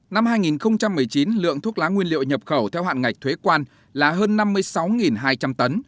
năm hai nghìn một mươi chín lượng thuốc lá nguyên liệu nhập khẩu theo hạn ngạch thuế quan là hơn năm mươi sáu hai trăm linh tấn